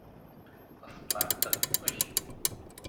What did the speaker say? Was bleibt dann übrig?